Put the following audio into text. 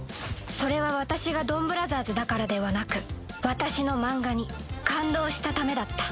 それは私がドンブラザーズだからではなく私のマンガに感動したためだった